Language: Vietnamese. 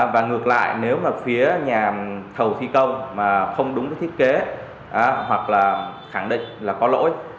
và ngược lại nếu phía nhà thầu thi công không đúng thiết kế hoặc khẳng định có lỗi